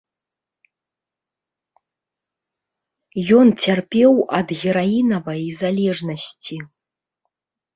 Ён цярпеў ад гераінавай залежнасці.